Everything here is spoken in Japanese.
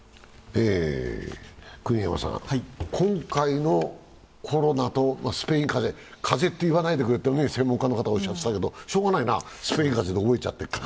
今回のコロナとスペイン風邪、風邪と言わないでとウイルスの専門家の方はおっしゃっていたけど、しようがないな、スペイン風邪で動いちゃっているから。